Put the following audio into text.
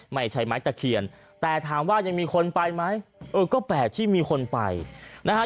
ไม่ใช่ไม้ตะเคียนแต่ถามว่ายังมีคนไปไหมเออก็แปลกที่มีคนไปนะฮะ